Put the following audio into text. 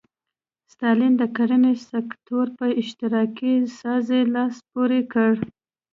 ستالین د کرنې سکتور په اشتراکي سازۍ لاس پورې کړ.